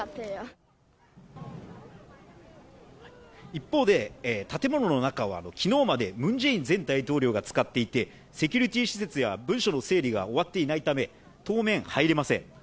一方で、建物の中は昨日までムン・ジェイン前大統領が使っていてセキュリテイー施設や文書の整理が終わっていないため、当面入れません。